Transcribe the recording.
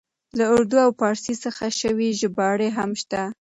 له اردو او پاړسي څخه شوې ژباړې هم شته.